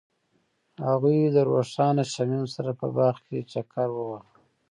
هغوی د روښانه شمیم سره په باغ کې چکر وواهه.